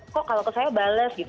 kok kalau ke saya bales gitu